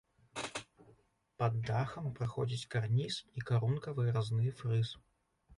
Пад дахам праходзіць карніз і карункавы разны фрыз.